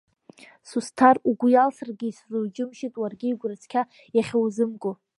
Сусҭар, угәы иалсыргьы, исзуџьымшьеит, уаргьы игәра цқьа иахьузымго.